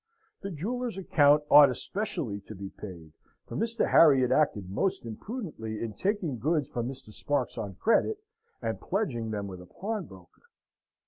The jeweller's account ought especially to be paid, for Mr. Harry had acted most imprudently in taking goods from Mr. Sparks on credit, and pledging them with a pawnbroker.